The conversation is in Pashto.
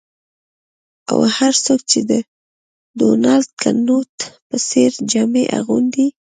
او هر څوک چې د ډونالډ کنوت په څیر جامې اغوندي